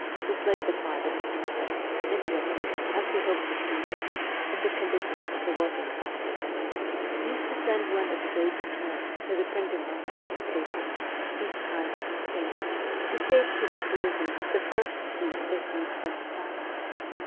who played the part of a Csesar, interested, as behoves a Caesar, in the conditions of the working classes used to send one of his aides de camp to the printing office of the paper, each time it was printed, to take to the Tuileries the first sheet issued from the press.